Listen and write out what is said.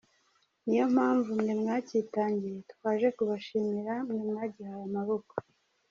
Niyo mpamvu mwe mwacyitangiye twaje kubashimira, mwe mwagihaye amaboko.